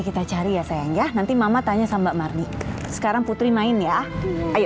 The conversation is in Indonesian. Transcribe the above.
kita cari ya sayang ya nanti mama tanya sama mardi sekarang putri main ya ayo